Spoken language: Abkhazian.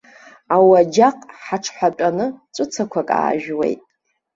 Ауаџьаҟ ҳааҽҳәатәаны ҵәыцақәак аажәуеит.